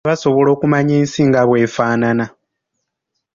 Abaana basobola okumanya ensi nga bw'efaanana.